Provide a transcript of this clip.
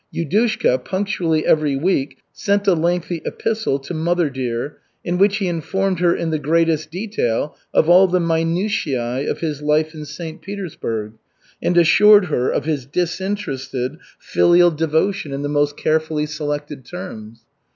Yudushka punctually every week sent a lengthy epistle to "mother dear," in which he informed her in the greatest detail of all the minutiæ of his life in St. Petersburg, and assured her of his disinterested filial devotion in the most carefully selected terms.